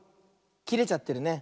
きれちゃってるね。